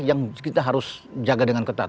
yang kita harus jaga dengan ketat